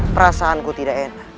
perasaanku tidak enak